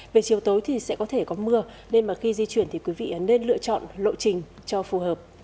về chiều tối thì sẽ có thể có mưa nên khi di chuyển thì quý vị nên lựa chọn lộ trình cho phù hợp